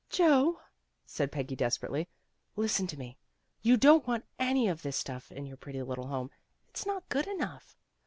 "Joe," said Peggy desperately, " Listen to me. You don't want any of this stuff in your pretty little home. It's not good enough."